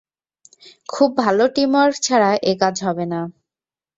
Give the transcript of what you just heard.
খুব ভালো টীমওয়ার্ক ছাড়া এ-কাজ হবে না।